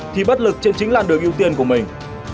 thì bất lực trên chính làn đường ưu tiên của mình